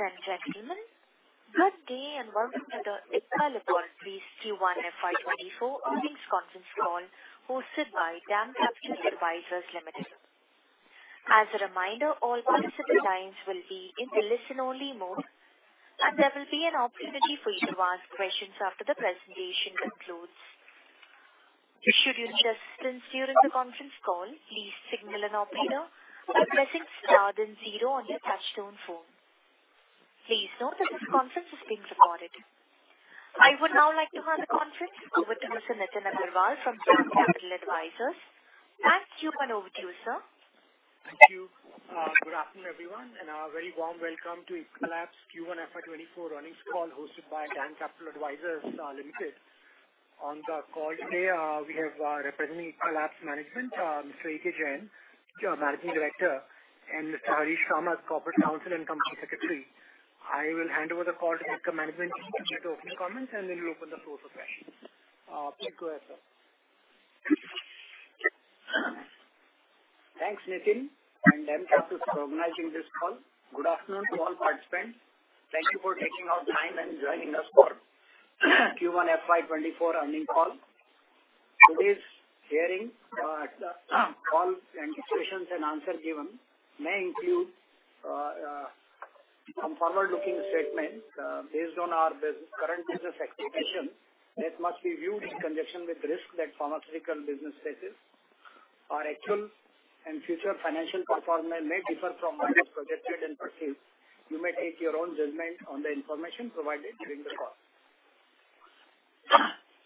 Ladies and gentlemen, good day, welcome to the Ipca Laboratories Q1 FY24 earnings conference call hosted by DAM Capital Advisors Limited. As a reminder, all participants lines will be in the listen-only mode, and there will be an opportunity for you to ask questions after the presentation concludes. Should you need assistance during the conference call, please signal an operator by pressing star then zero on your touch-tone phone. Please note that this conference is being recorded. I would now like to hand the conference over to Mr. Nitin Agarwal from DAM Capital Advisors. Q1, over to you, sir. Thank you. Good afternoon, everyone, and a very warm welcome to Ipca Labs Q1 FY24 earnings call, hosted by DAM Capital Advisors Limited. On the call today, we have representing Ipca Labs management, Mr. Ajit Jain, Managing Director, and Mr. Harish Kamath, Corporate Counsel and Company Secretary. I will hand over the call to Ipca management to make the opening comments, and then we'll open the floor for questions. Take away, sir. Thanks, Nitin, and DAM Capital for organizing this call. Good afternoon to all participants. Thank you for taking out time and joining us for Q1 FY24 earnings call. Today's hearing call and questions and answer given may include some forward-looking statements based on our current business expectations that must be viewed in conjunction with risk that pharmaceutical business faces. Our actual and future financial performance may differ from those projected and perceived. You may take your own judgment on the information provided during the call.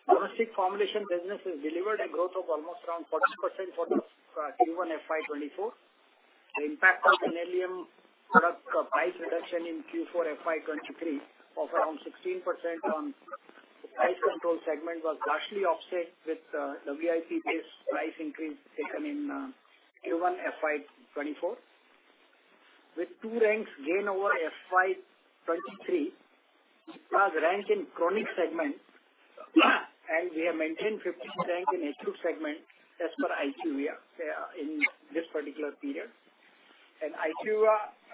Domestic formulation business has delivered a growth of almost around 40% for the Q1 FY24. The impact of quinoline product price reduction in Q4 FY23 of around 16% on price control segment was largely offset with the WPI-based price increase taken in Q1 FY24. With two ranks gain over FY23, plus rank in chronic segment, and we have maintained 15th rank in H2 segment as per IQVIA in this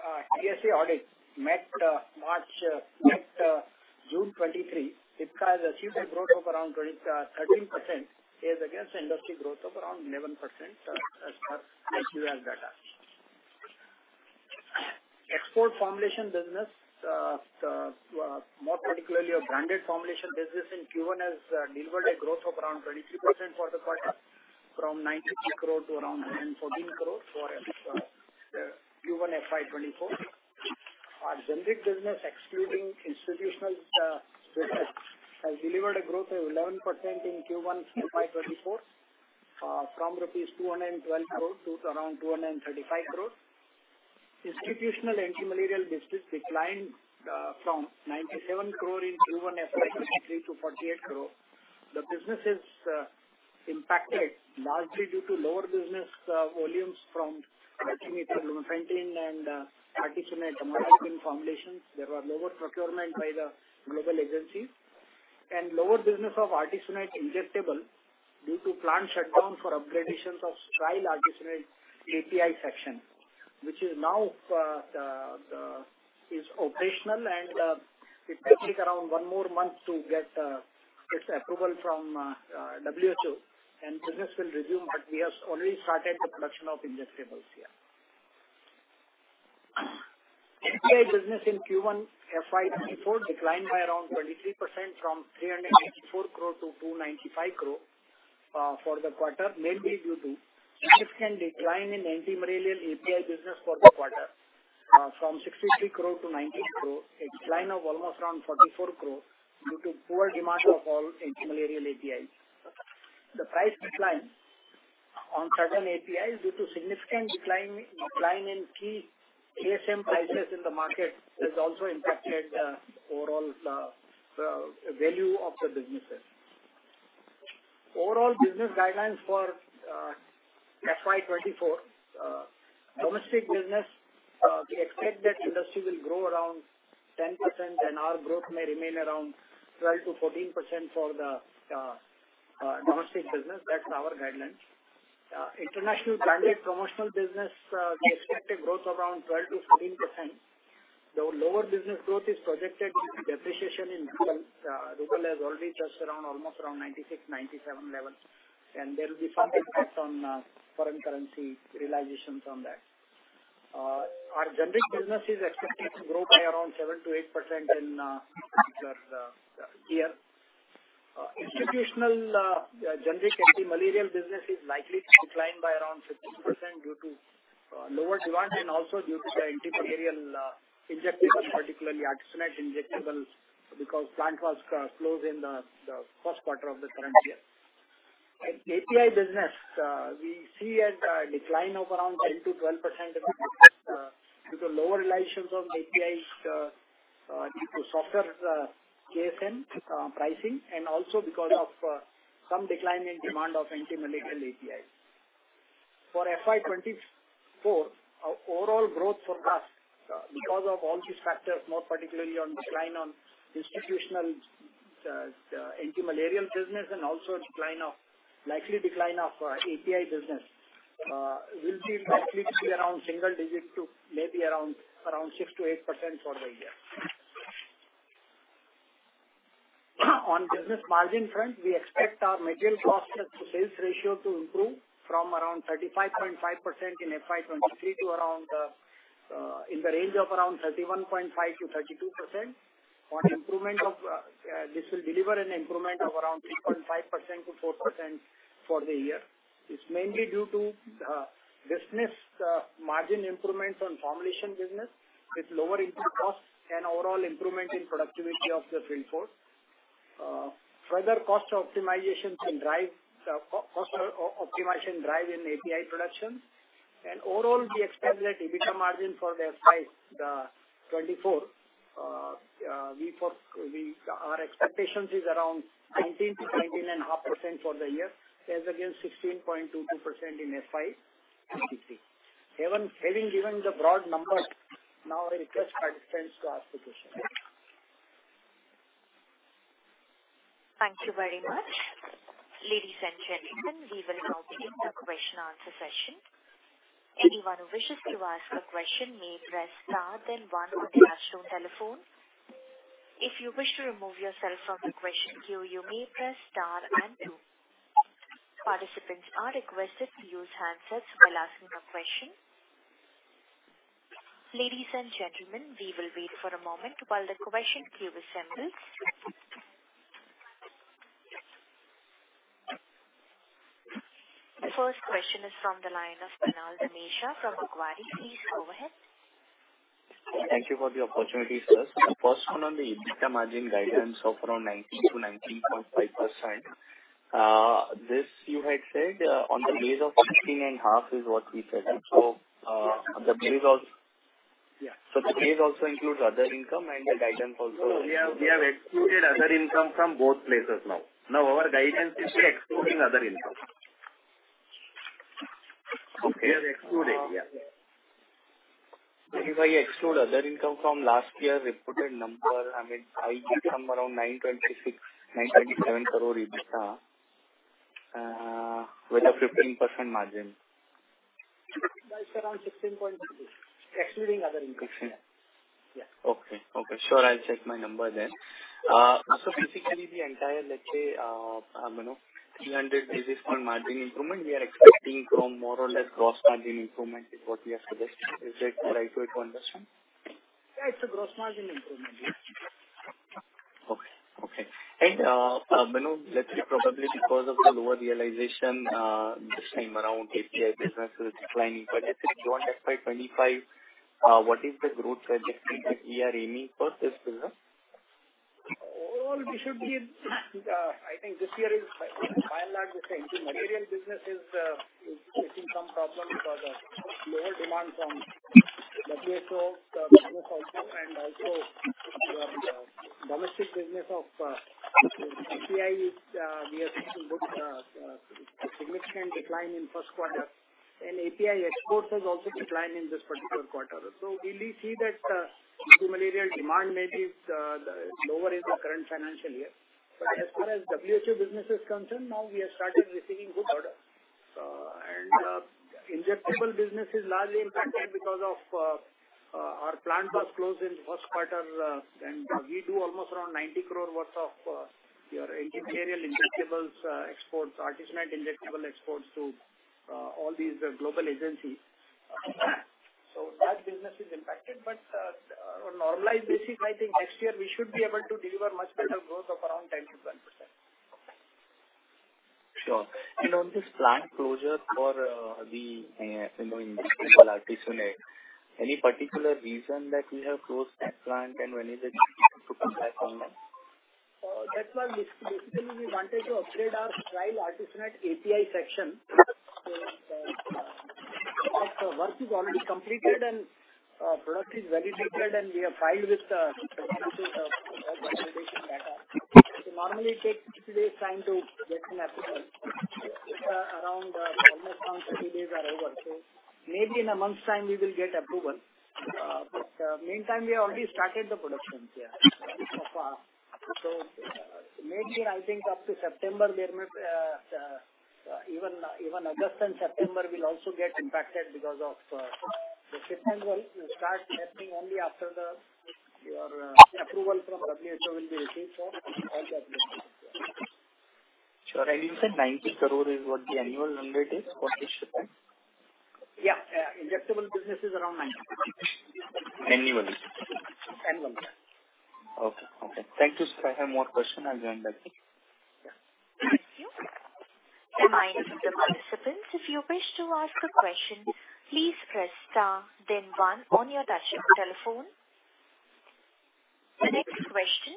particular period. IQVIA DSC audit MAT March, MAT June 2023. Ipca has achieved a growth of around 13% is against industry growth of around 11% as per IQVIA data. Export formulation business, more particularly our branded formulation business in Q1, has delivered a growth of around 23% for the quarter, from 93 crore to around 114 crore for Q1 FY24. Our generic business, excluding institutional business, has delivered a growth of 11% in Q1 FY24, from rupees 212 crore to around 235 crore. Institutional anti-malarial business declined from 97 crore in Q1 FY23 to 48 crore. The business is impacted largely due to lower business volumes from sulfadoxine-pyrimethamine and artesunate amodiaquine formulations. There were lower procurement by the global agencies. Lower business of artesunate injection due to plant shutdown for upgradations of trial artesunate API section, which is now operational. It may take around one more month to get its approval from WHO. Business will resume. We have already started the production of injectables here. API business in Q1 FY24 declined by around 23% from 384 crore to 295 crore for the quarter, mainly due to significant decline in antimalarial API business for the quarter, from 63 crore to 19 crore, a decline of almost around 44 crore due to poor demand of all antimalarial APIs. The price decline on certain APIs due to significant decline, decline in key KSM prices in the market has also impacted overall value of the businesses. Overall business guidelines for FY24 domestic business, we expect that industry will grow around 10%. Our growth may remain around 12%-14% for the domestic business. That's our guidelines. International branded promotional business, we expect a growth around 12%-14%. The lower business growth is projected depreciation in rupee. Rupee has already touched around almost around 96, 97 levels, and there will be some impact on foreign currency realizations on that. Our generic business is expected to grow by around 7%-8% in year. Institutional generic anti-malarial business is likely to decline by around 15% due to lower demand and also due to the anti-malarial injectables, particularly artesunate injectables, because plant was closed in the first quarter of the current year. API business, we see a decline of around 10%-12% due to lower realizations of APIs due to softer KSM pricing, and also because of some decline in demand of anti-malarial APIs. For FY24, our overall growth forecast, because of all these factors, more particularly on decline on institutional antimalarial business and also decline of, likely decline of, API business, will be likely to be around single-digit to maybe 6%-8% for the year. On business margin front, we expect our material cost to sales ratio to improve from around 35.5% in FY23 to in the range of around 31.5%-32%. On improvement of, this will deliver an improvement of around 3.5%-4% for the year. It's mainly due to business margin improvement on formulation business, with lower input costs and overall improvement in productivity of the workforce. Further cost optimization can drive the cost optimization drive in API production. Overall, we expect that EBITDA margin for the FY 2024, Our expectations is around 19%-19.5% for the year, as against 16.22% in FY 2023. Even having given the broad numbers, now I request participants to ask questions. Thank you very much. Ladies and gentlemen, we will now begin the question and answer session. Anyone who wishes to ask a question may press star then one on their telephone. If you wish to remove yourself from the question queue, you may press star and two. Participants are requested to use handsets while asking a question. Ladies and gentlemen, we will wait for a moment while the question queue assembles. The first question is from the line of Kunal Dhamesha from Macquarie. Please go ahead. Thank you for the opportunity, sir. First one on the EBITDA margin guidance of around 19%-19.5%. This you had said, on the base of 18.5% is what we said. The base also- Yeah. The base also includes other income and the guidance also- We have, we have excluded other income from both places now. Now our guidance is excluding other income. Okay. We have excluded, yeah. If I exclude other income from last year reported number, I mean, I get some around 926 crore-927 crore EBITDA, with a 15% margin. That's around 16.2%, excluding other income. Yeah. Yes. Okay, okay. Sure, I'll check my number then. Basically the entire, let's say, you know, 300 basis points on margin improvement, we are expecting from more or less gross margin improvement is what we have to best. Is that the right way to understand? Yeah, it's a gross margin improvement. Okay, okay. Manoj, let's say probably because of the lower realization, this time around, API business is declining, but let's say going forward FY25, what is the growth trajectory that we are aiming for this business? Overall, we should be, I think this year is quite large. The anti-malarial business is facing some problems because of lower demand from WHO business also, and also domestic business of API, we are seeing good significant decline in first quarter, and API exports has also declined in this particular quarter. We will see that the malaria demand may be lower in the current financial year. As far as WHO business is concerned, now we have started receiving good orders. Injectable business is largely impacted because of our plant was closed in the first quarter, and we do almost around 90 crore worth of your anti-malarial injectables exports, artesunate injection exports to all these global agencies. That business is impacted, but on a normalized basis, I think next year we should be able to deliver much better growth of around 10%-12%. Sure. On this plant closure for, the, you know, injectable artesunate, any particular reason that we have closed that plant, and when is it due to come back online? That one, basically, we wanted to upgrade our trial artesunate API section. Most of the work is already completed and product is validated, and we have filed with the work validation data. It normally takes 60 days time to get an approval. Around almost around 30 days are over, so maybe in a month's time we will get approval. Meantime, we have already started the production here. So maybe I think up to September there may even August and September will also get impacted because of the shipment will start happening only after the your approval from WHO will be received for all the applications. Sure. You said 90 crore is what the annual number is for this plant? Injectable business is around 90 crore. Annually? Annually. Okay, okay. Thank you, sir. I have more question. I'll join back in. Thank you. A reminder to the participants, if you wish to ask a question, please press star then one on your touch telephone. The next question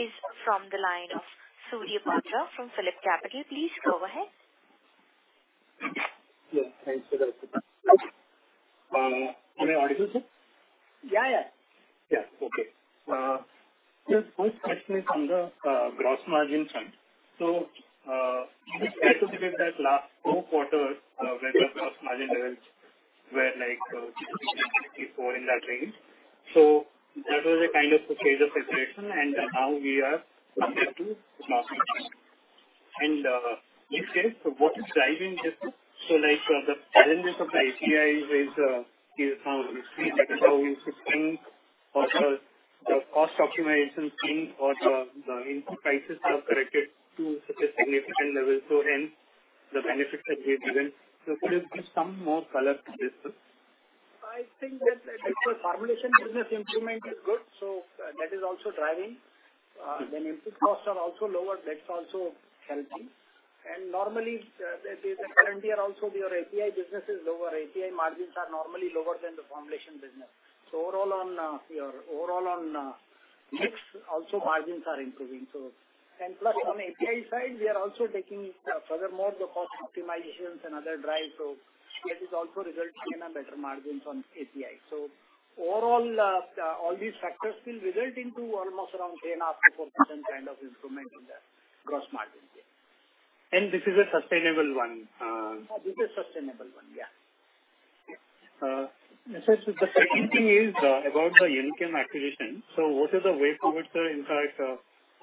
is from the line of Surya Patra from PhillipCapital. Please go ahead. Yeah, thanks for the... Can you hear me sir? Yeah, yeah. Yeah. Okay. Just one question from the gross margin front. Can you speculate that last four quarters, where the gross margin levels?... where like, in that range. That was a kind of phase of separation, and now we are to marketing. In this case, so what is driving this? Like, the challenge of the API is, is now we should think of the cost optimization thing or the, the input prices have corrected to such a significant level, hence the benefits that we have given. Could you give some more color to this? I think that the formulation business improvement is good, so that is also driving. Then input costs are also lower, that's also helping. Normally, the, the current year also, your API business is lower. API margins are normally lower than the formulation business. Overall on, overall on, mix, also margins are improving. Plus on API side, we are also taking, furthermore, the cost optimizations and other drive. That is also resulting in a better margins on API. Overall, all these factors will result into almost around 3.5%-4% kind of improvement in the gross margin. This is a sustainable one. This is sustainable one, yeah. The second thing is about the Unichem acquisition. What is the way forward, sir, in that,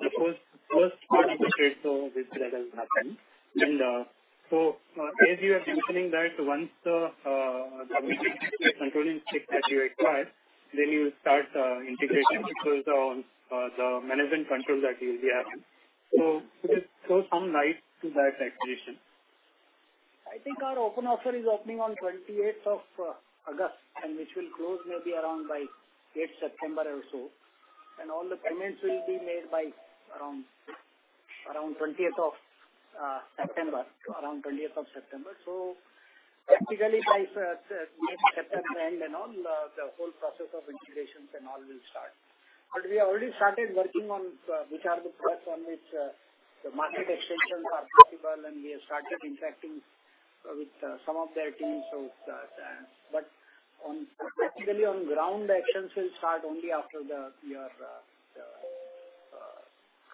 the first, first part of the trade, this, that has happened. As you are mentioning that once the controlling stake that you acquired, then you start integrating, because the management control that will be happening. Could you throw some light to that acquisition? I think our open offer is opening on 28th of August, and which will close maybe around by 8th September or so. All the payments will be made by around, around 20th of September, around 20th of September. Practically by mid-September end and all, the whole process of integrations and all will start. We have already started working on which are the products on which the market extensions are possible, and we have started interacting with some of their teams. Practically on ground, actions will start only after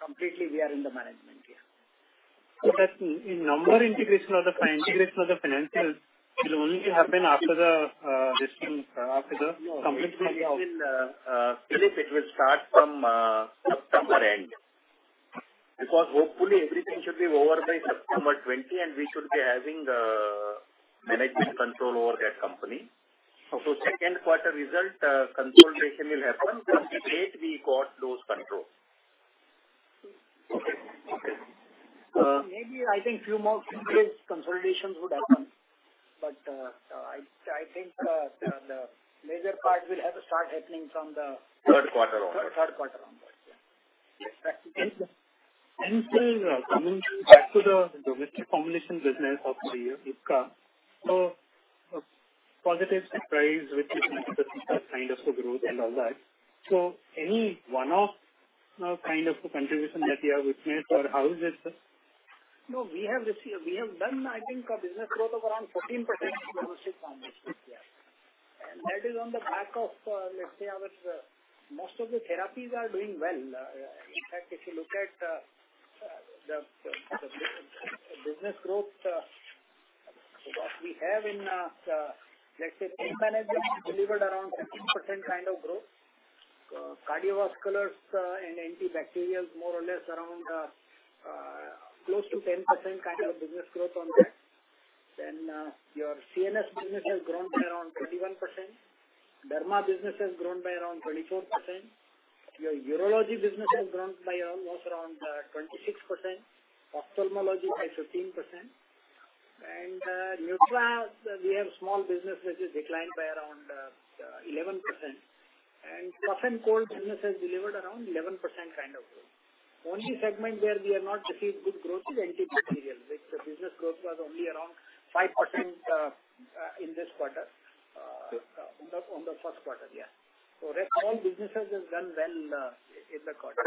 the, your, completely we are in the management, yeah. That in number integration or the integration of the financials will only happen after the, this thing, after the complete. No, it will, Philip, it will start from September end. Hopefully everything should be over by September 20th. We should be having management control over that company. Okay. second quarter result, consolidation will happen the date we got those controls. Okay. Okay. Maybe I think few more consolidations would happen, but, I think, the major part will have to start happening. Third quarter onwards. Third quarter onwards, yeah. Coming back to the domestic formulation business of the year, Ipca, a positive surprise, which is the kind of the growth and all that. Any one-off, kind of contribution that you have witnessed, or how is it, sir? No, we have done, I think, a business growth of around 14% on this, yeah. That is on the back of, let's say, our, most of the therapies are doing well. In fact, if you look at the business growth, we have, let's say, delivered around 10% kind of growth. Cardiovasculars and antibacterials, more or less around close to 10% kind of business growth on that. Your CNS business has grown by around 31%. Derma business has grown by around 24%. Your urology business has grown by almost around 26%, ophthalmology by 15%. Nutra, we have small business, which has declined by around 11%. Cough and cold business has delivered around 11% kind of growth. Only segment where we have not received good growth is antibacterial, which the business growth was only around 5% in this quarter on the first quarter, yeah. Rest all businesses have done well in the quarter.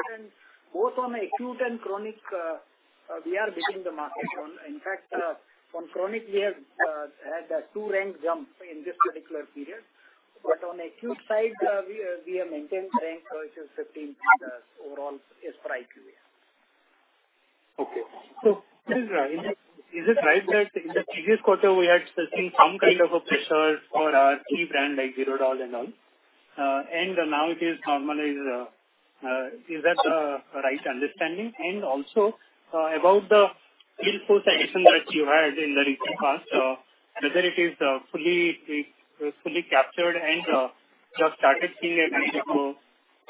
Both on acute and chronic, we are beating the market. In fact, on chronic, we have had a two-rank jump in this particular period. On acute side, we have maintained the rank, which is 15 overall as per IQVIA. Is it, is it right that in the previous quarter we had seen some kind of a pressure for our key brand, like Zerodol and all? Now it is normalized. Is that the right understanding? Also, about the field force addition that you had in the recent past, whether it is fully, fully captured and just started seeing a kind of,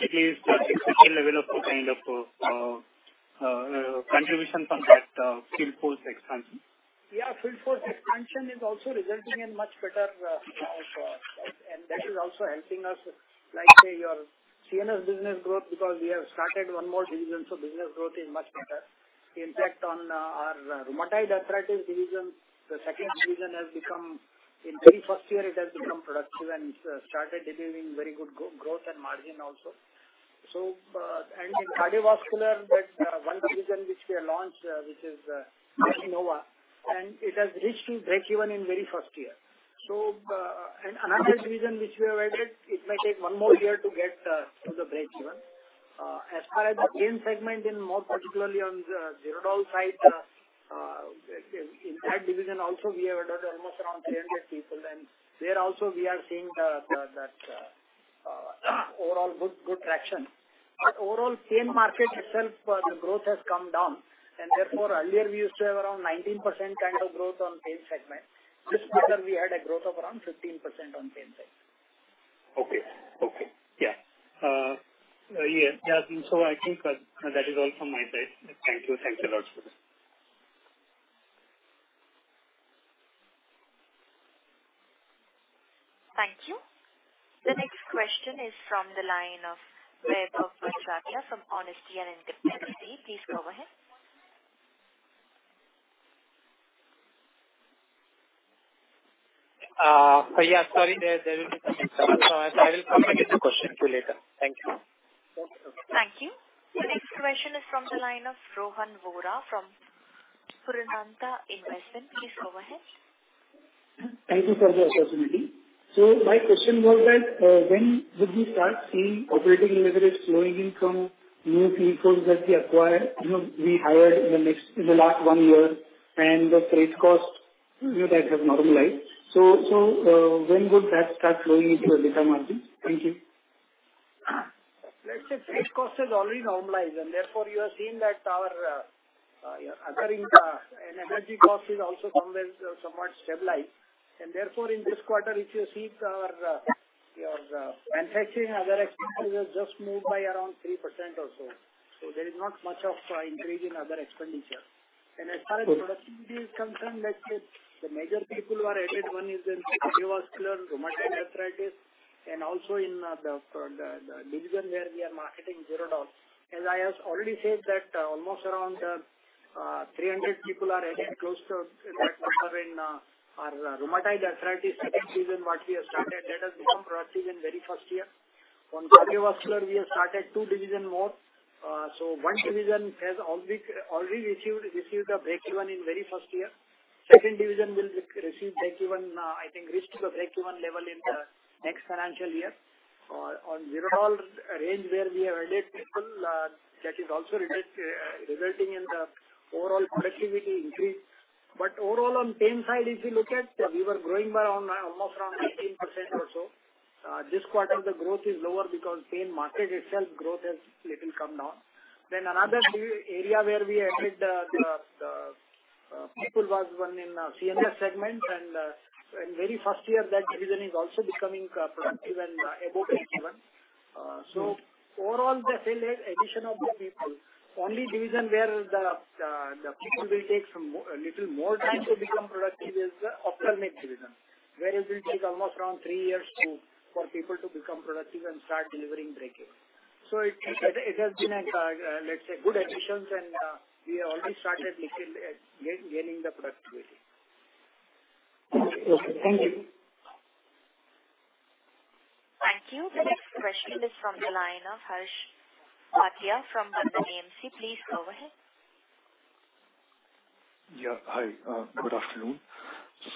at least significant level of, kind of, contribution from that field force expansion. Yeah, field force expansion is also resulting in much better, and that is also helping us, like, say, your CNS business growth, because we have started one more division, so business growth is much better. In fact, on our rheumatoid arthritis division, the second division. In very first year, it has become productive and started delivering very good growth and margin also. And in cardiovascular, that one division which we have launched, which is Nova, and it has reached to breakeven in very first year. And another division which we have added, it may take one more year to get to the breakeven. As far as the pain segment, and more particularly on the Zerodol side, in that division also we have added almost around 300 people, and there also we are seeing overall good, good traction. Overall, pain market itself, the growth has come down, and therefore, earlier we used to have around 19% kind of growth on pain segment. This quarter we had a growth of around 15% on pain segment. Okay. Okay. Yeah. Yes, I think that is all from my side. Thank you. Thanks a lot, sir. Thank you. The next question is from the line of Vaibhav Badjatya from Honesty and Integrity. Please go ahead. Yeah, sorry, there, there is some technical. I will come back with the question to you later. Thank you. Thank you. The next question is from the line of Rohan Vora from Purnartha Investment. Please go ahead. Thank you for the opportunity. My question was that, when would we start seeing operating leverage flowing in from new people that we acquired? You know, we hired in the last one year, and the trade cost, you know, that has normalized. When would that start flowing into your data margin? Thank you. Let's say trade cost has already normalized, and therefore, you have seen that our, occurring, and energy cost is also somewhat, somewhat stabilized. Therefore, in this quarter, if you see our, your, manufacturing, other expenses have just moved by around 3% or so. There is not much of a increase in other expenditures. Okay. As far as production is concerned, let's say the major people who are added, one is in cardiovascular, rheumatoid arthritis, and also in the division where we are marketing Zerodol. As I have already said that, almost around 300 people are added close to that number in our rheumatoid arthritis second season what we have started, that has become productive in very first year. On cardiovascular, we have started two division more. So one division has already received, received the breakeven in very first year. Second division will receive breakeven, I think, reach to the breakeven level in the next financial year. On Zerodol range where we have added people, that is also redate resulting in the overall productivity increase. Overall, on pain side, if you look at, we were growing by around, almost around 18% or so. This quarter, the growth is lower because pain market itself, growth has little come down. Another big area where we added, the people was one in CNS segment, and in very first year, that division is also becoming productive and above breakeven. Overall, the sale addition of the people, only division where the people will take a little more time to become productive is the ophthalmic division, where it will take almost around three years to, for people to become productive and start delivering breakeven. It has been a, let's say, good additions, and we have already started little, gaining the productivity. Okay. Thank you. Thank you. The next question is from the line of Harsha Upadhyaya from Kotak AMC. Please go ahead. Yeah. Hi. good afternoon.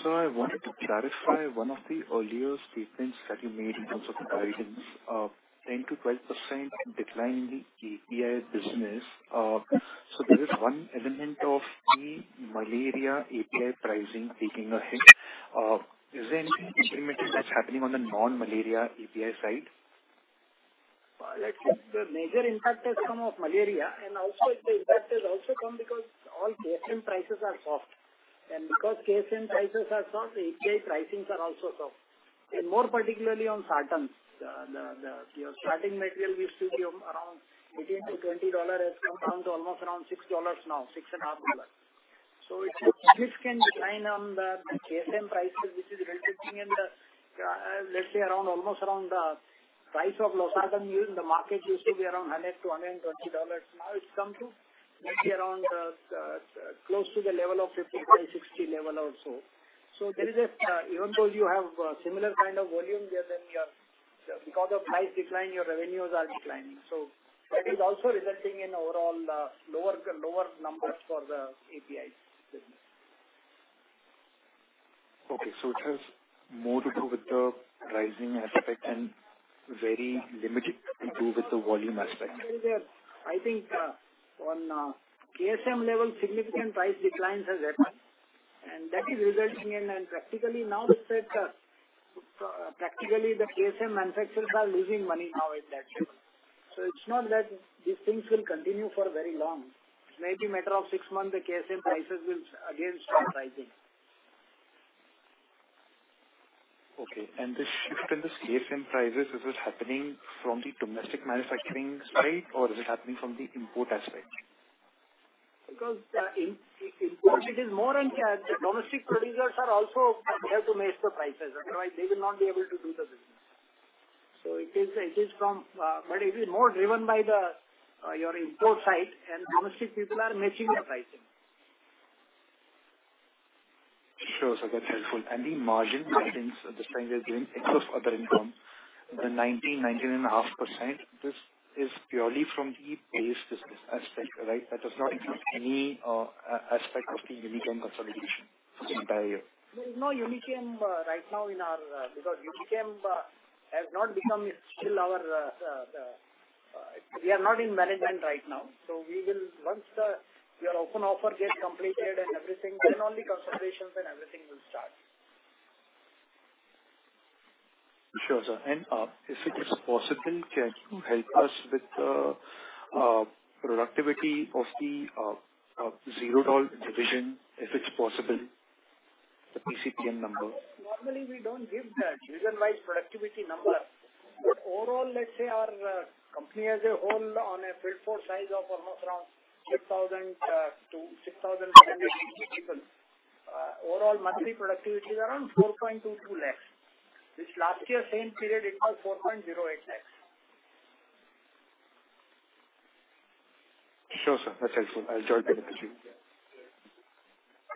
I wanted to clarify one of the earlier statements that you made in terms of the guidance of 10%-12% decline in the API business. There is one element of the malaria API pricing taking a hit. Is there any detriment that's happening on the non-malaria API side? Let's say the major impact has come of malaria, also the impact has also come because all KSM prices are soft. Because KSM prices are soft, the API pricings are also soft, and more particularly on sartans. The starting material used to be around $18-$20, has come down to almost around $6 now, $6.5. It's a significant decline on the KSM prices, which is resulting in the, let's say, around, almost around the price of losartan in the market used to be around $100-$120. Now it's come to maybe around close to the level of 55, 60 level or so. There is a even though you have similar kind of volume, there's an because of price decline, your revenues are declining. That is also resulting in overall, lower, lower numbers for the API business. Okay. It has more to do with the pricing aspect and very limited to do with the volume aspect. I think, on KSM level, significant price declines has happened, and that is resulting in... Practically now, let's say, practically, the KSM manufacturers are losing money now at that rate. It's not that these things will continue for very long. It may be a matter of six months, the KSM prices will again start rising. Okay. This shift in the KSM prices, is this happening from the domestic manufacturing side, or is it happening from the import aspect? Import, it is more and the domestic producers are also, they have to match the prices, otherwise they will not be able to do the business. It is, it is from, but it is more driven by the your import side, and domestic people are matching the pricing. Sure, sir. That's helpful. The margin guidance, at this time we are doing exhaust other income, the 19%-19.5%, this is purely from the aspect, right? That does not include any aspect of the Unichem consolidation in the entire year. There is no Unichem right now in our, because Unichem has not become still our, we are not in management right now. We will once your open offer gets completed and everything, then only concentrations and everything will start. Sure, sir. If it is possible, can you help us with the productivity of the Zerodol division, if it's possible, the PCPN number? Normally, we don't give the division-wise productivity number. Overall, let's say, our company as a whole on a field force size of almost around 6,000-6,100 people. Overall monthly productivity is around 4.22 lakhs. This last year, same period, it was 4.08 lakhs. Sure, sir. That's helpful. I'll join with you.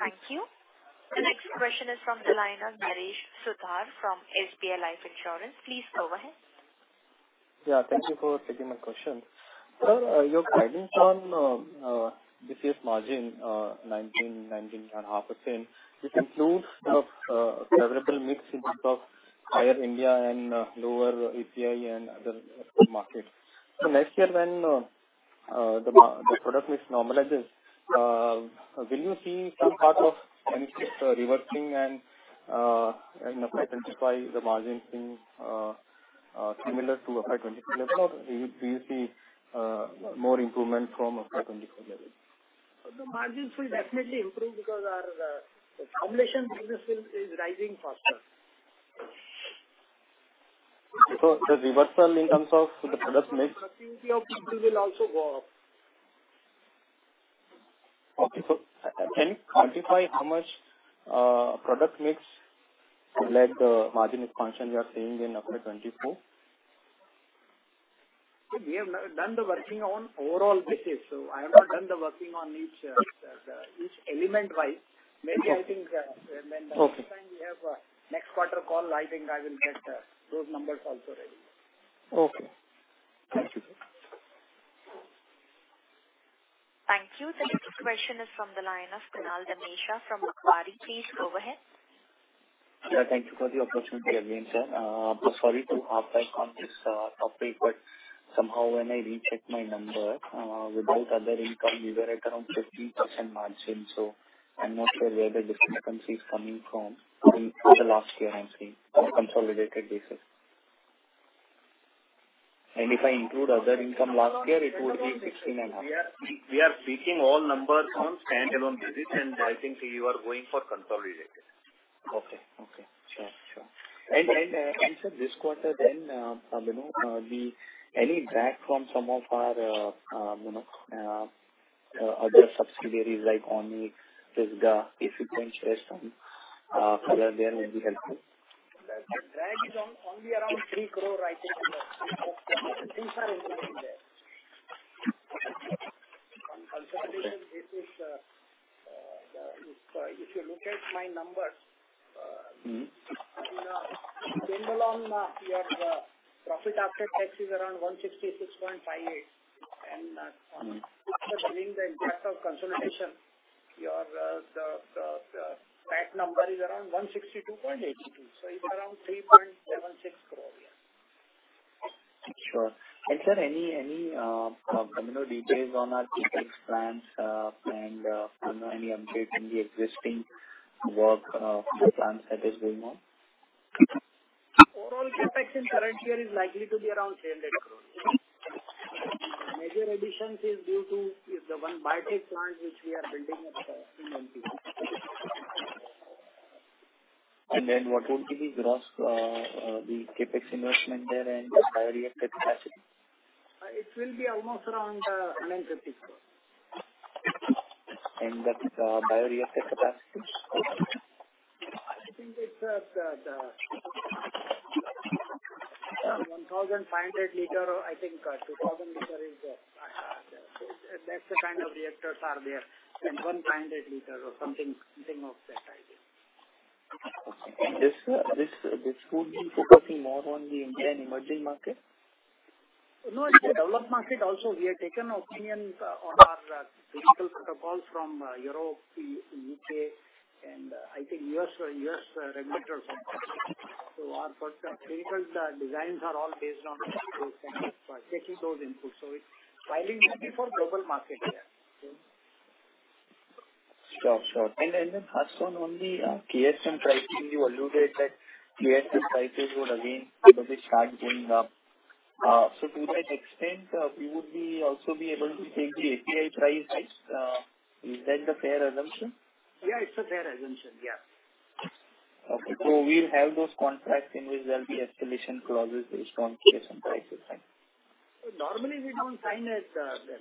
Thank you. The next question is from the line of Naresh Sutar from SBI Life Insurance. Please go ahead. Yeah. Thank you for taking my question. Sir, your guidance on this year's margin, 19-19.5%, which includes the favorable mix in terms of higher India and lower API and other markets. Next year, when the product mix normalizes, will you see some part of any reversing and identify the margin being similar to FY24 level, or do you see more improvement from FY24 level? The margins will definitely improve because our combination business is, is rising faster. The reversal in terms of the product mix. Productivity of people will also go up. Okay. Can you quantify how much product mix led the margin expansion you are seeing in FY24? We have not done the working on overall basis, so I have not done the working on each element-wise. Okay. Maybe I think. Okay. the time we have, next quarter call, I think I will get those numbers also ready. Okay. Thank you. Thank you. The next question is from the line of Kunal Dhamesha from Macquarie. Please go ahead. Sir, thank you for the opportunity again, sir. Sorry to hop back on this topic, but somehow when I rechecked my number, without other income, you were at around 15% margin. I'm not sure where the discrepancy is coming from. In the last year, I'm seeing on consolidated basis. If I include other income last year, it will be 16.5%. We are, we are speaking all numbers on standalone basis, and I think you are going for consolidated. Okay. Okay. Sure, sure. In this quarter then, you know, the any drag from some of our, you know, other subsidiaries like Omni, Tisca, if you can share some, further there may be helpful? The drag is only around 3 crore, I think. From consolidation basis, if you look at my numbers. Mm-hmm. In stand alone, we have profit after tax is around 166.58. Mm-hmm. After bringing the impact of consolidation, your, the, the, the PAT number is around 162.82, so it's around 3.76 crore, yeah. Sure. Sir, any, you know, details on our CapEx plans, and, you know, any update in the existing work, plans that is going on? Overall CapEx in current year is likely to be around 800,000 crore. Major additions is due to the one biotech plant which we are building at Mumbai. What would be the gross, the CapEx investment there and bioreactor capacity? It will be almost around 950 crore. That's bioreactor capacity? I think it's, the, the 1,500 L or I think, 2,000 L is the, that's the kind of reactors are there, and 100 L or something, something of that idea. This, this, this would be focusing more on the Indian emerging market? In the developed market also, we have taken opinions on our clinical protocols from Europe, U.K., and I think U.S., U.S. regulators. Our particular designs are all based on those things, particularly those inputs. It's filing many for global market there. Sure, sure. Last one on the, KSM pricing, you alluded that KSM prices would again probably start going up. To that extent, we would be also be able to take the API price hikes. Is that the fair assumption? Yeah, it's a fair assumption. Yeah. Okay. We'll have those contracts in which there'll be escalation clauses based on KSM prices, right? Normally, we don't sign a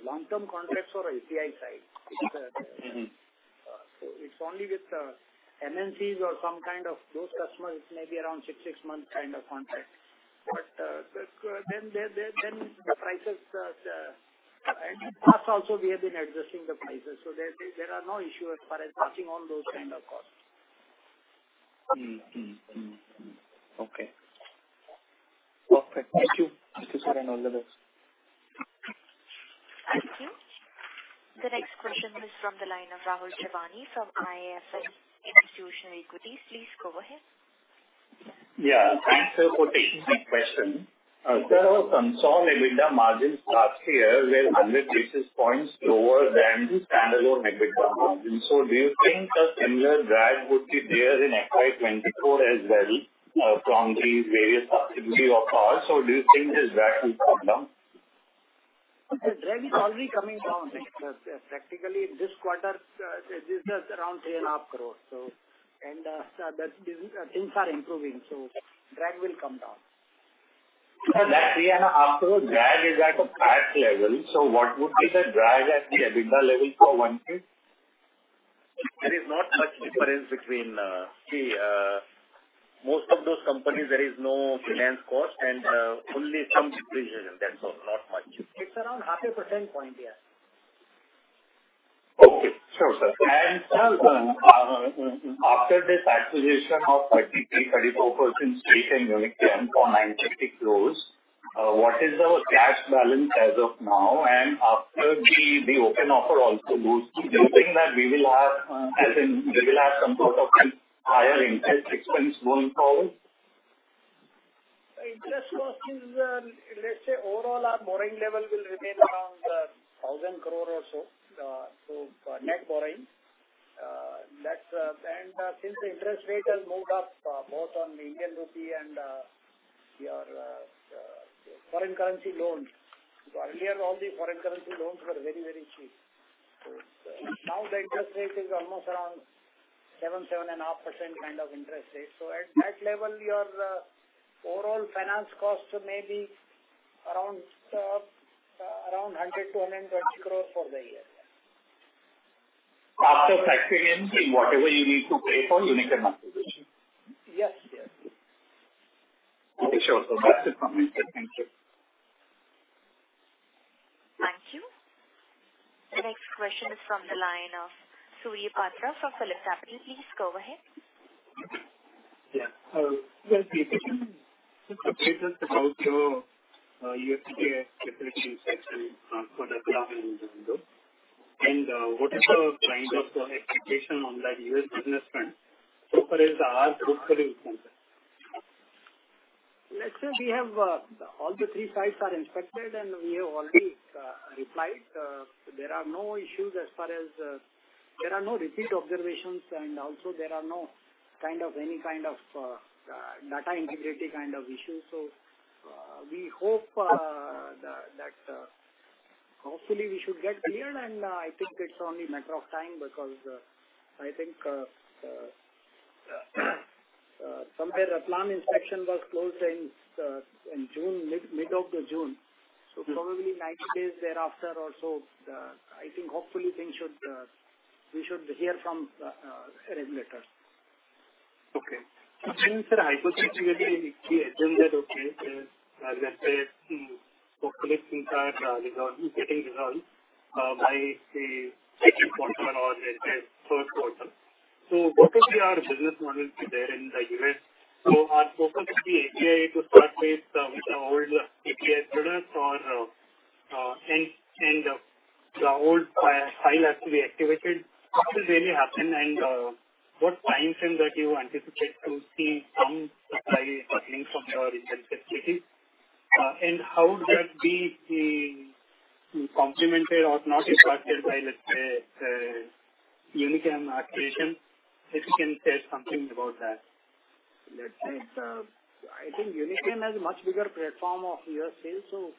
long-term contracts for API side. Mm-hmm. It's only with MNCs or some kind of close customer. It may be around six, six months kind of contract. Then the prices, and in the past also, we have been adjusting the prices. There, there are no issue as far as passing on those kind of costs. Mm, mm, mm, mm. Okay. Perfect. Thank you. Thank you, sir, and all the best. Thank you. The next question is from the line of Rahul Jeewani from IIFL Institutional Equities. Please go ahead. Yeah. Thanks, sir, for taking my question. sir, some saw EBITDA margins last year were 100 basis points lower than standalone EBITDA margin. Do you think a similar drag would be there in FY24 as well, from these various possibility of calls? Do you think this drag will come down? The drag is already coming down. Practically, this quarter, this is around 3.5 crore. The things are improving, so drag will come down. Sir, that 3.5 crore drag is at a higher level, so what would be the drive at the EBITDA level for one thing? There is not much difference between, see, most of those companies, there is no finance cost and, only some depreciation, that's all. Not much. It's around half a percent point, yes. Okay. Sure, sir. After this acquisition of 33%-34% stake in Unichem for 960 crore, what is our cash balance as of now? After the open offer also goes, do you think that we will have some sort of higher interest expense going forward? Interest cost is, let's say overall, our borrowing level will remain around 1,000 crore or so, so net borrowing. That's. Since the interest rate has moved up, both on the Indian rupee and your foreign currency loans. Earlier, all the foreign currency loans were very, very cheap. Now, the interest rate is almost around 7%-7.5% kind of interest rate. At that level, your overall finance costs may be around 100 crore-120 crore for the year. After factoring in whatever you need to pay for Unichem acquisition? Yes, yes. Okay, sure. That's it from me, sir. Thank you. Thank you. The next question is from the line of Surya Patra from PhillipCapital. Please go ahead. Yeah. Yes, please. About your, USPI inspection for the and, what is the kind of expectation on that US business front as far as our group is concerned? Let's say we have, all the three sites are inspected, and we have already replied. There are no issues. There are no repeat observations, and also there are no kind of, any kind of, data integrity kind of issues. We hope that hopefully we should get cleared. I think it's only matter of time because I think somewhere a plan inspection was closed in June, mid of the June. Yes. Probably 90 days thereafter or so, I think hopefully things should, we should hear from, regulator. Okay. Since hypothetically, we assume that, okay, let's say, hopefully things are resolved, getting resolved by the second quarter or let's say first quarter. What will be our business model there in the event? Our focus is the API to start with, with the old API products or, and, and, the old file actually activated, what will really happen? What timeframe that you anticipate to see some supply bustling from your interest security? How would that be complemented or not impacted by, let's say, Unichem acquisition? If you can say something about that. Let's say, I think Unichem has a much bigger platform of your sales, so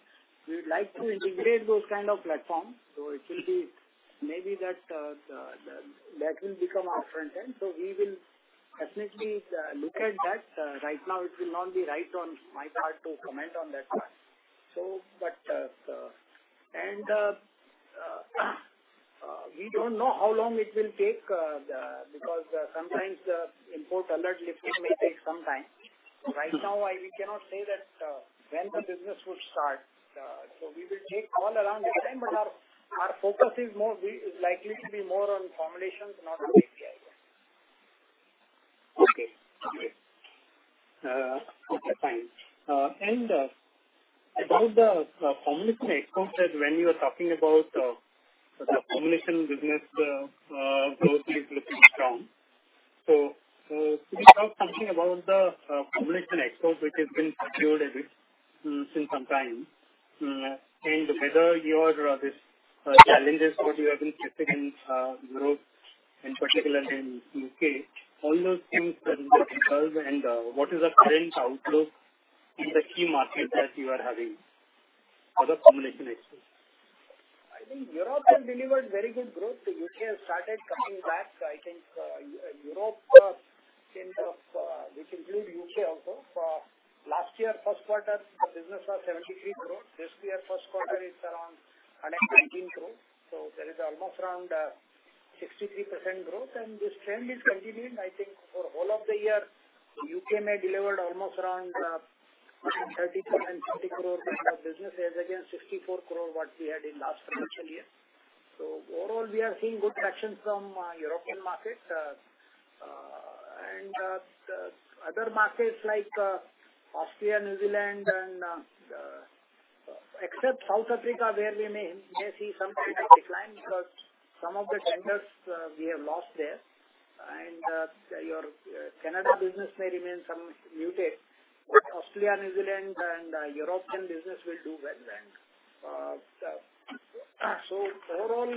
we would like to integrate those kind of platforms. It will be maybe that that will become our front end. We will definitely look at that. Right now, it will not be right on my part to comment on that one. But we don't know how long it will take, because sometimes the import alert lifting may take some time. Right now, I, we cannot say that when the business will start. We will take all around the time, but our focus is more likely to be more on formulations, not on API. Okay. Okay. Okay, fine. About the formulation export that when you are talking about the formulation business, growth is looking strong. Could you talk something about the formulation export, which has been secured a bit since some time, whether your this challenges what you have been facing in Europe and particularly in U.K., all those things that involve and what is the current outlook in the key markets that you are having for the formulation exports? I think Europe has delivered very good growth. U.K. has started coming back. I think Europe in terms of which include U.K. also. Last year, first quarter, the business was 73 crore. This year, first quarter is around 119 crore. There is almost around 63% growth, and this trend is continuing. I think for all of the year, U.K. may delivered almost around 30 crore business as against 64 crore, what we had in last financial year. Overall, we are seeing good traction from European market. The other markets like Australia, New Zealand, and except South Africa, where we may, may see some kind of decline because some of the tenders we have lost there. Your Canada business may remain some muted, but Australia, New Zealand and European business will do well then. Overall,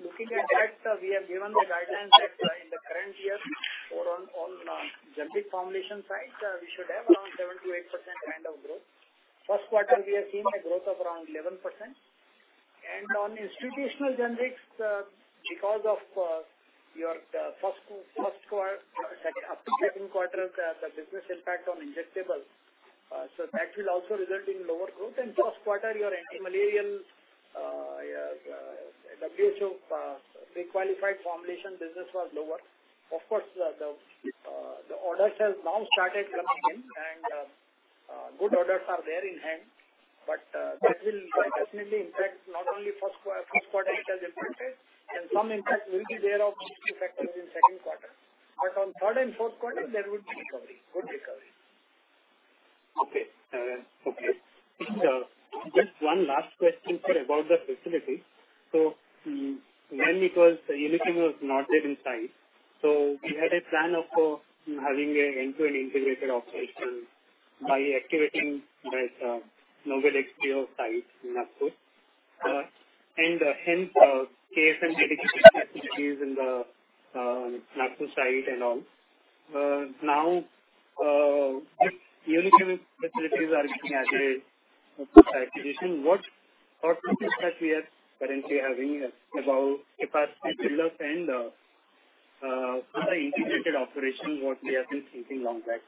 looking at that, we have given the guidelines that in the current year, for on, on generic formulation side, we should have around 78% kind of growth. First quarter, we are seeing a growth of around 11%. On institutional generics, because of your second quarter, the business impact on injectables, so that will also result in lower growth. First quarter, your antimalarial WHO pre-qualified formulation business was lower. Of course, the orders have now started coming in, and good orders are there in hand, but that will definitely impact not only first quarter it has impacted, and some impact will be there of the factors in second quarter. On third and fourth quarter there would be recovery, good recovery. Okay. Okay. Just one last question, sir, about the facility. When it was Unichem was not there in sight, we had a plan of having a end-to-end integrated operation by activating this [Nobel Estero site] in Nagpur. And hence, KSM dedicated facilities in the Nagpur site and all. Now, if Unichem facilities are being added to this acquisition, what, what process that we are currently having about capacity build-up and integrated operation, what we have been thinking on that?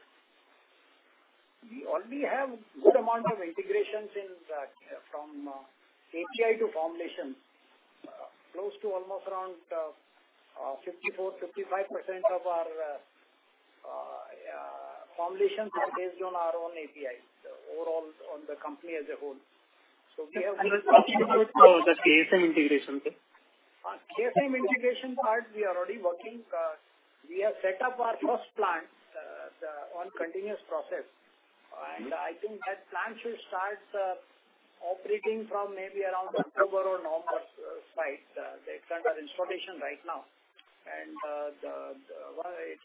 We already have good amount of integrations in that from API to formulation. Close to almost around 54%-55% of our, yeah, foundations are based on our own API, so overall on the company as a whole. We have- The KSM integration, sir? KSM integration part, we are already working. We have set up our first plant, the on continuous process. Mm-hmm. I think that plant should start operating from maybe around October or November site. They're under installation right now.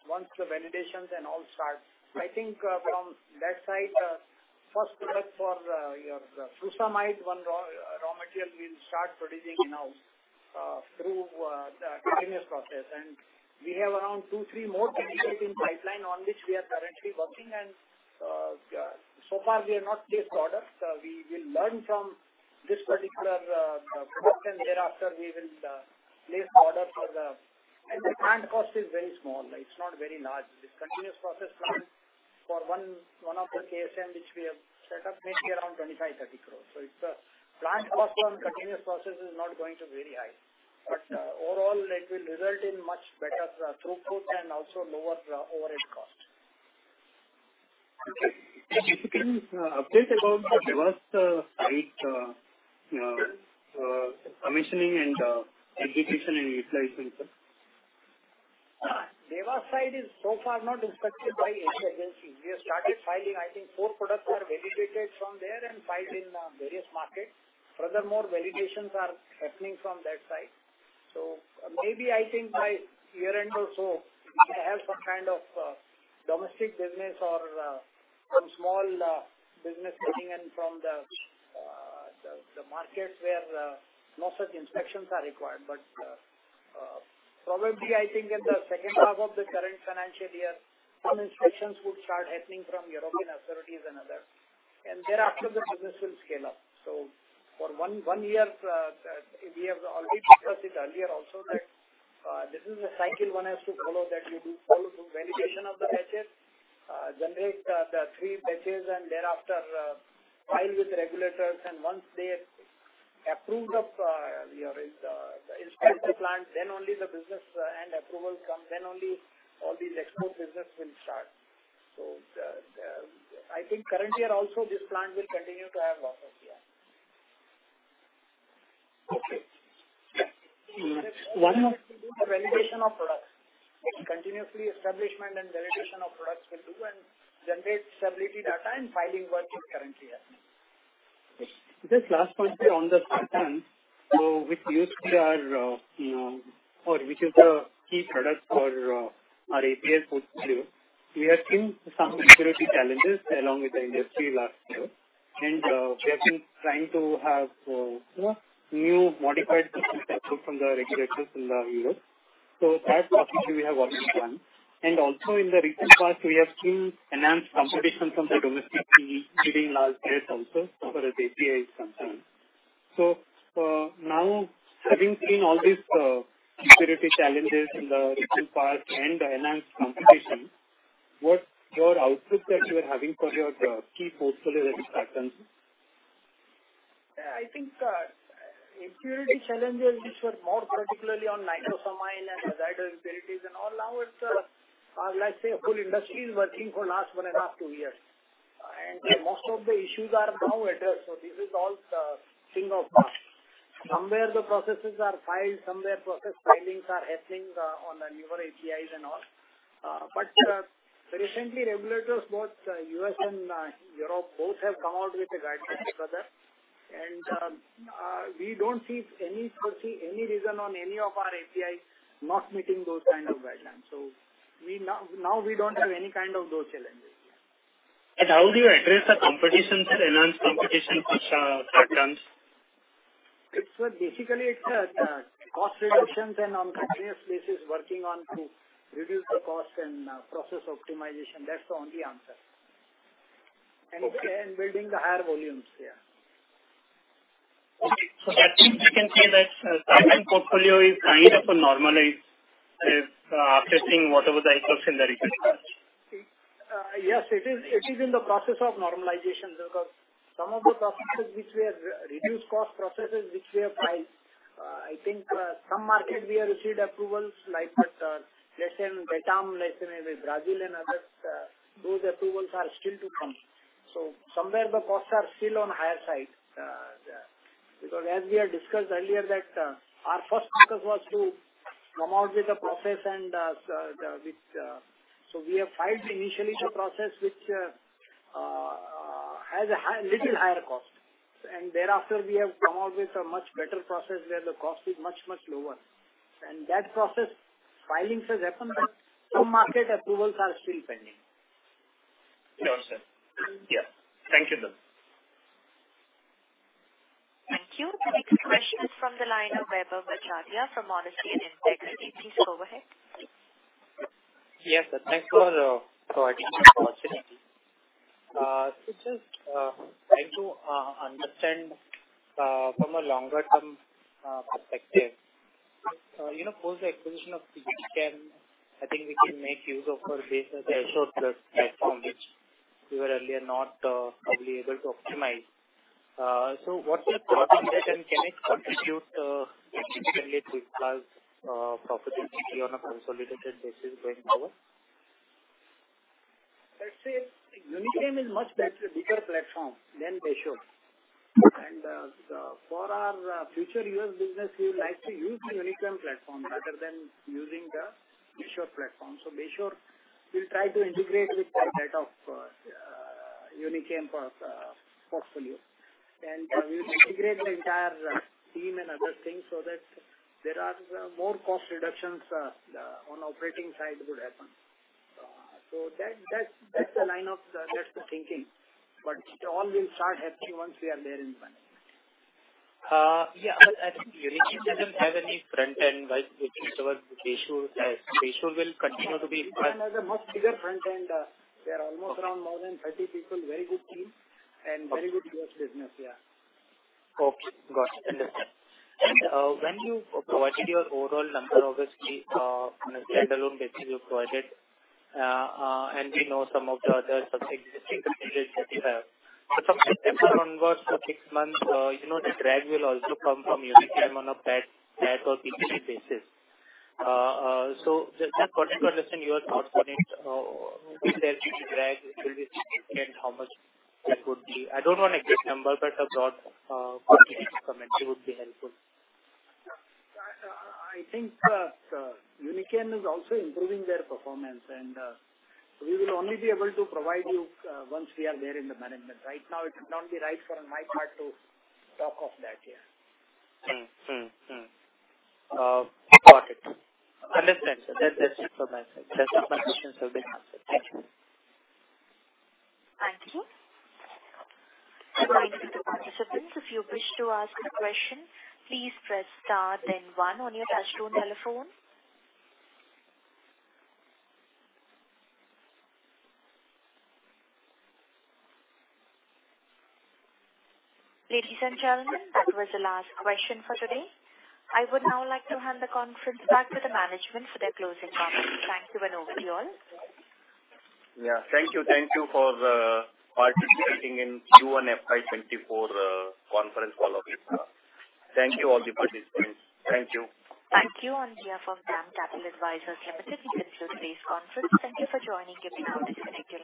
Once the validations and all start, I think from that side, first product for your furosemide, one raw raw material, we'll start producing in now through the continuous process. We have around two, three more candidates in pipeline on which we are currently working. So far, we have not placed products. We will learn from this particular product, and thereafter we will place order for the... The plant cost is very small. It's not very large. This continuous process plant for one, one of the KSM, which we have set up, maybe around 25-30 crore. It's, plant cost on continuous process is not going to very high, but, overall it will result in much better, throughput and also lower, overhead cost. Okay. If you can update about the first site commissioning and integration and utilization, sir. Dewas site is so far not inspected by any agency. We have started filing, I think four products are validated from there and filed in various markets. Furthermore, validations are happening from that side. Maybe I think by year-end or so, we may have some kind of domestic business or some small business coming in from the markets where no such inspections are required. Probably I think in the second half of the current financial year, some inspections would start happening from European authorities and other, and thereafter the business will scale up. For one, one year, we have already discussed it earlier also that this is a cycle one has to follow, that you do follow through validation of the batches, generate the three batches, and thereafter, file with the regulators. Once they approved of your, inspect the plant, then only the business and approval come, then only all these export business will start. The, the, I think currently also this plant will continue to have losses, yeah. Okay. one more- Validation of products. Continuously establishment and validation of products will do and generate stability data and filing work is currently happening. Just last point, sir, on the front end, which used to our, you know, or which is the key product for our API portfolio. We have seen some security challenges along with the industry last year, and we have been trying to have, you know, new modified from the regulators in Europe. That particular we have already done. Also in the recent past, we have seen enhanced competition from the domestic key leading large players also as far as API is concerned. Now, having seen all these security challenges in the recent past and the enhanced competition, what's your outlook that you are having for your key portfolio expectations? Yeah, I think, security challenges, which were more particularly on nitrosamine and other impurities and all, now it's, let's say, a whole industry is working for last one and a half, two years. Most of the issues are now addressed. This is all, thing of past. Somewhere the processes are filed, somewhere process filings are happening, on the newer APIs and all. Recently regulators, both, U.S. and Europe, both have come out with a guideline together. We don't see any, foresee any reason on any of our API not meeting those kind of guidelines. We now, now we don't have any kind of those challenges. How do you address the competition, enhanced competition for, third terms? It's, basically it's, cost reductions and on continuous basis working on to reduce the cost and, process optimization. That's the only answer. Okay. building the higher volumes. Yeah. Okay. That means we can say that portfolio is kind of a normalized after seeing whatever the excerpts in the research. Yes, it is, it is in the process of normalization because some of the processes which we have reduced cost processes, which we have filed. I think, some market we have received approvals like that, less in Vietnam, less in maybe Brazil and others, those approvals are still to come. Somewhere the costs are still on higher side. Because as we have discussed earlier, that, our first focus was to come out with a process and, the, the, with, We have filed initially the process, which, has a high, little higher cost. Thereafter, we have come up with a much better process where the cost is much, much lower. That process filings has happened, but some market approvals are still pending. Sure, sir. Yeah. Thank you, though. Thank you. The next question is from the line of Vaibhav Badjatya from Honesty and Integrity. Please go ahead. Yes, sir. Thanks for providing me the opportunity. Just trying to understand from a longer-term perspective. You know, post the acquisition of Unichem, I think we can make use of our base as a Beshore platform, which we were earlier not probably able to optimize. What's your thought on that, and can it contribute significantly to profitability on a consolidated basis going forward? Let's say Unichem is much better, bigger platform than Beshore. Okay. For our future U.S. business, we would like to use the Unichem platform rather than using the Beshore platform. Beshore, we'll try to integrate with that of Unichem portfolio. We'll integrate the entire team and other things so that there are more cost reductions on operating side would happen. That, that, that's the line of that's the thinking, but it all will start happening once we are there in one. Yeah, I, I think Unichem doesn't have any front-end, right? Which is our Beshore has. Beshore will continue to be- Beshore has a much bigger front-end. They are almost around more than 30 people, very good team- Okay. Very good U.S. business. Yeah. Okay, got it. Understood. When you provided your overall number, obviously, on a standalone basis, you provided, and we know some of the other subsequent figures that you have. From this onward for six months, you know, the drag will also come from Unichem on a paid or weekly basis. Just for the quarter, just in your thought on it, will there be drag, it will be significant, how much that would be? I don't want an exact number, but a broad, quick comment, it would be helpful. I think Unichem is also improving their performance, and we will only be able to provide you once we are there in the management. Right now, it's not be right on my part to talk of that year. Mm-hmm, mm-hmm. got it. Understood, sir. That, that's it for my... That's my questions have been answered. Thank you. Thank you. Participants, if you wish to ask a question, please press star then one on your touchtone telephone. Ladies and gentlemen, that was the last question for today. I would now like to hand the conference back to the management for their closing comments. Thank you and over to you all. Yeah. Thank you, thank you for, participating in Q1 FY24, conference call with us. Thank you, all the participants. Thank you. Thank you. On behalf of DAM Capital Advisors Limited, this is base conference. Thank you for joining. You may now disconnect.